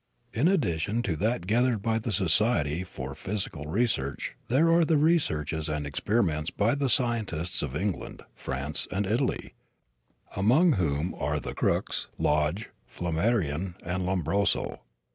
In addition to that gathered by the Society for Psychical Research there are the researches and experiments by the scientists of England, France and Italy, among whom are Crookes, Lodge, Flammarion and Lombroso.